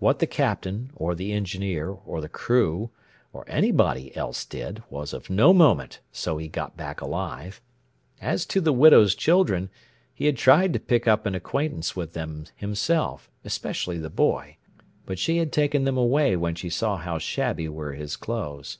What the Captain, or the Engineer, or the crew, or anybody else did, was of no moment, so he got back alive. As to the widow's children, he had tried to pick up an acquaintance with them himself especially the boy but she had taken them away when she saw how shabby were his clothes.